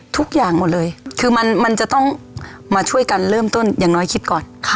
ทุกอย่างหมดเลยคือมันจะต้องมาช่วยกันเริ่มต้นอย่างน้อยคิดก่อน